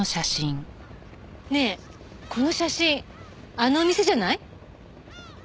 ねえこの写真あの店じゃない？